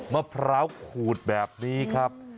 มะพร้าวขูดแบบนี้ครับ